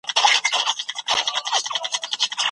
ولي ځيني هیوادونه امنیت نه مني؟